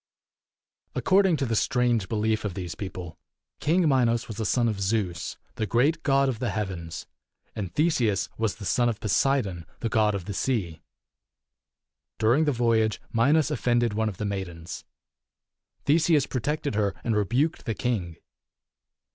According to the strange belief of these people, 273 King Minos was a son of Zeus, the great god of the heavens; and Theseus was the son of Poseidon, the god of the sea. During the voyage, Minos offended one of the maidens. Theseus protected her and rebuked the king.